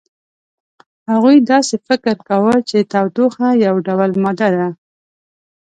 هغوی داسې فکر کاوه چې تودوخه یو ډول ماده ده.